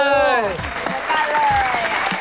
ตอบผิดหมดเลย